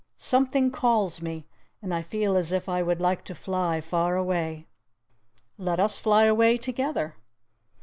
Something calls me, and I feel as if I would like to fly far away." "Let us fly away together!"